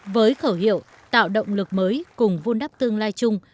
với khẩu hiệu tạo động lực mới cùng vun đắp tương lai chung